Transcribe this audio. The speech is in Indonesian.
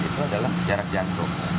itu adalah jarak jangkau